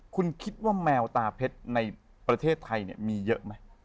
คุณคิดว่าแมวตาเพชรในประเทศไทยมีเยอะไหม